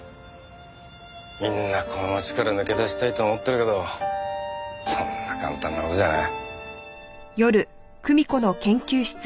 みんなこの街から抜け出したいと思ってるけどそんな簡単な事じゃない。